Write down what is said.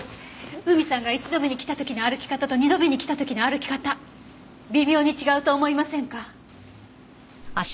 海さんが１度目に来た時の歩き方と２度目に来た時の歩き方微妙に違うと思いませんか？